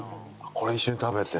これ一緒に食べて。